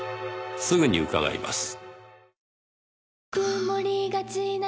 すぐに伺います。